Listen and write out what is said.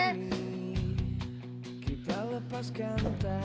aku temennya brita